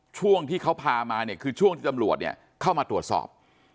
ช่วงที่เขาพามาเนี่ยคือช่วงที่ตำรวจเนี่ยเข้ามาตรวจสอบ